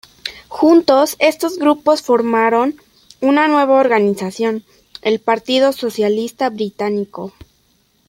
Juntos, estos grupos formaron una nueva organización, el Partido Socialista Británico.